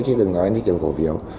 chứ đừng nói thị trường cổ phiếu